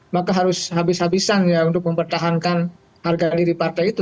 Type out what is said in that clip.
maka harus habis habisan ya untuk mempertahankan harga diri partai itu